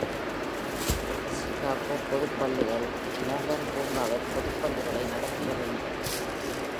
Chicago பொதுப் பள்ளிகள் Morgan பூங்காவில் பொதுப் பள்ளிகளை நடத்தி வருகின்றன.